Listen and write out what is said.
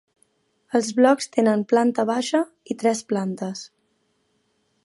Els blocs tenen planta baixa i tres plantes.